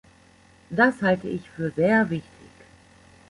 Das halte ich für sehr wichtig.